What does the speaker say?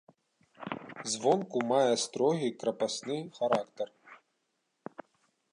Звонку мае строгі крапасны характар.